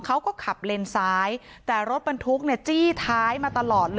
เขาก็ขับเลนซ้ายแต่รถบรรทุกเนี่ยจี้ท้ายมาตลอดเลย